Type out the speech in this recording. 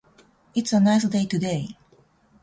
It is a nice day today.